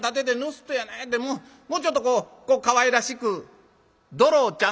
もうちょっとこうかわいらしく『どろちゃん』」。